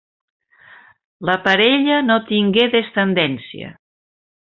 La parella no tingué descendència.